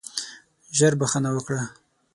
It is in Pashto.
ژر بخښنه وکړه.